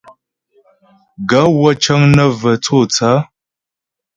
Gaə̌ wə́ cə́ŋ nə́ və tsô tsaə̌.